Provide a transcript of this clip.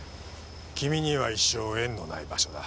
君には一生縁のない場所だ。